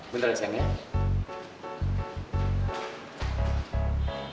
bentar ya sayang